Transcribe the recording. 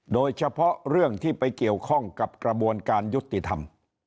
โดยเฉพาะเรื่องที่ไปเกี่ยวข้องกับกระบวนการยุติธรรม